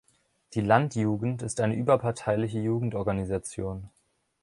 Die Landjugend ist eine überparteiliche Jugendorganisation.